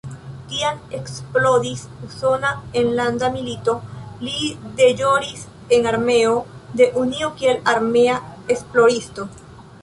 Kiam eksplodis Usona enlanda milito, li deĵoris en armeo de Unio kiel armea esploristo.